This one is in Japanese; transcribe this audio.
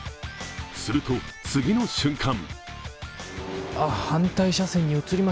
すると、次の瞬間。